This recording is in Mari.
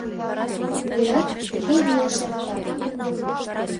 Ойлат, тыге лиеш эртак: